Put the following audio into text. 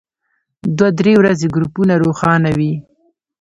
دوه درې ورځې ګروپونه روښانه وي.